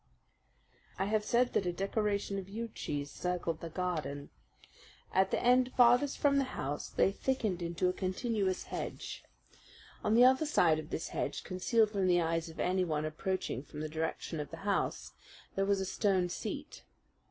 I have said that a decoration of yew trees circled the garden. At the end farthest from the house they thickened into a continuous hedge. On the other side of this hedge, concealed from the eyes of anyone approaching from the direction of the house, there was a stone seat.